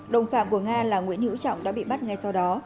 đồng phạm của nga là nguyễn hữu trọng đã bị bắt ngay sau đó